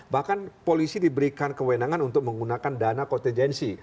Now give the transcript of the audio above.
bahkan polisi diberikan kewenangan untuk menggunakan dana kontingensi